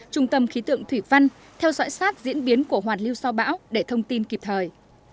trung tâm khí tượng thủy văn theo dõi sát diễn biến của hoàn lưu sau bão để thông tin kịp thời